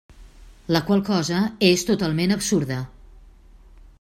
La qual cosa és totalment absurda.